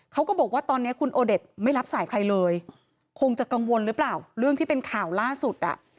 เขาก็บอกว่าตอนนี้คุณโอเด็ดไม่รับสายใครเลยคงจะกังวลหรือเปล่าเรื่องที่เป็นข่าวล่าสุดอ่ะ